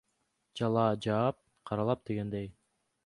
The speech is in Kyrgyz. Жалаа жаап, каралап дегендей.